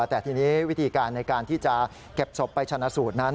แต่ทีนี้วิธีการในการที่จะเก็บศพไปชนะสูตรนั้น